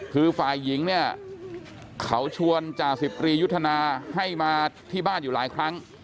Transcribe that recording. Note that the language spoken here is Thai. คือฝ่ายหญิงเนี่ยเขาชวนจ่าสิบรียุทธนาให้มาที่บ้านอยู่หลายครั้ง